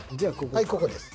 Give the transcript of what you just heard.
はいここです。